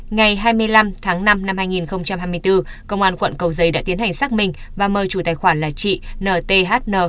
ngày hai mươi năm tháng năm năm hai nghìn hai mươi bốn công an quận cầu giấy đã tiến hành xác minh và mời chủ tài khoản là chị n t h n